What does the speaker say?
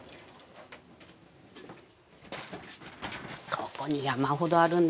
ここに山ほどあるんです。